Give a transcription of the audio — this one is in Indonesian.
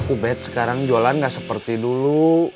ubet sekarang jualan gak seperti dulu